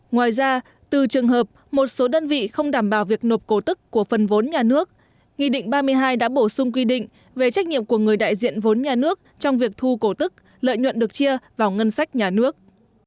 ngoài ra từ trường hợp một số đơn vị không đảm bảo việc nộp cổ tức của phần vốn nhà nước nghị định ba mươi hai đã bổ sung quy định về trách nhiệm của người đại diện vốn nhà nước trong việc thu cổ tức lợi nhuận được chia vào ngân sách nhà nước